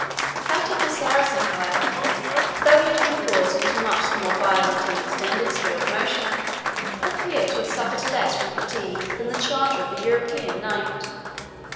That of the Saracen, however, though he had been forced into much the more violent and extended sphere of motion, appeared to have suffered less from fatigue than the charger of the European knight.